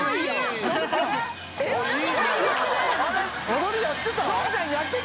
踊りやってた？